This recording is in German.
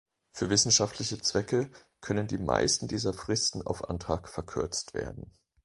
Für wissenschaftliche Zwecke können die meisten dieser Fristen auf Antrag verkürzt werden.